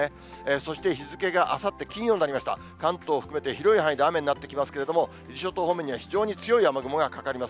そして日付があさって金曜になりました、関東含めて広い範囲で雨になってきますけれども、伊豆諸島方面には非常に強い雨雲がかかります。